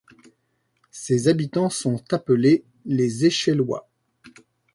Ses habitants sont appelés les Eycheilois.